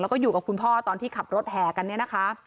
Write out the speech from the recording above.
แล้วก็อยู่กับคุณพ่อตอนที่ขับรถแห่กันเนี่ยนะคะ